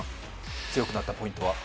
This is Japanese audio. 強くなったポイントは？